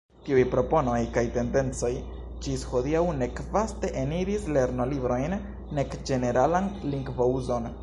Tiuj proponoj kaj tendencoj ĝis hodiaŭ nek vaste eniris lernolibrojn, nek ĝeneralan lingvo-uzon.